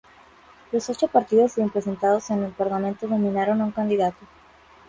Los ocho partidos representados en el Parlamento nominaron a un candidato.